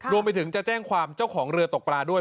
รวมถึงจะแจ้งความเจ้าของเรือตกปลาด้วย